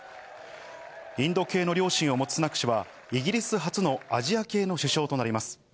インド系の両親を持つスナク氏はイギリス初のアジア系の首相となります。